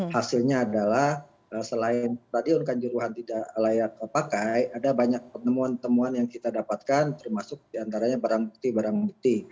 hasilnya adalah selain stadion kanjuruhan tidak layak pakai ada banyak pertemuan temuan yang kita dapatkan termasuk diantaranya barang bukti barang bukti